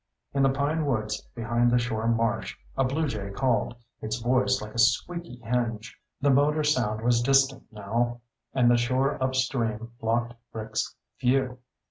In the pine woods behind the shore marsh, a bluejay called, its voice like a squeaky hinge. The motor sound was distant now, and the shore upstream blocked Rick's view.